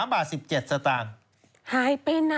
๑๓บาท๑๗สตางค์ค่ะ